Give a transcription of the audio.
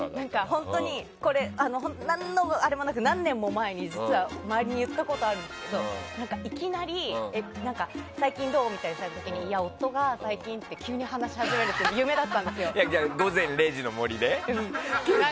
本当に何のあれもなく何年も前に実は前に言ったことあるんですけどいきなり最近どう？みたいにしていや夫が最近って急に話し始めるって「午前０時の森」で？